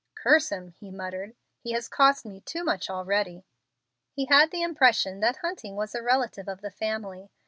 "Curse him!" he muttered, "he has cost me too much already." He had the impression that Hunting was a relative of the family.